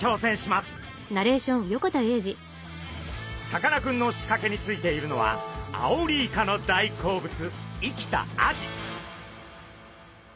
さかなクンのしかけについているのはアオリイカの大好物生きたアジ。